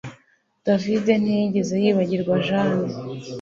David ntiyigeze yibagirwa Jane